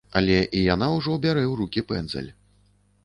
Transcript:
Але і яна ўжо бярэ ў рукі пэндзаль.